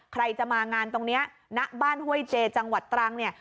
ใครจะมางานตรงนี้ณบ้านห้วยเจจังหวัดตรังเนี่ย